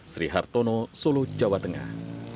sri hartono solo jawa tengah